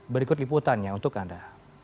berikut liputannya untuk anda